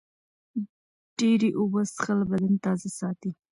ډېرې اوبه څښل بدن تازه ساتي.